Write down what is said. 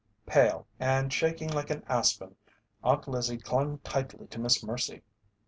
Pale, and shaking like an aspen, Aunt Lizzie clung tightly to Miss Mercy.